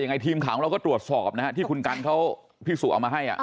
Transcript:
ยังไงทีมของเราก็ตรวจสอบนะครับที่คุณกันเขาปริศุเอามาให้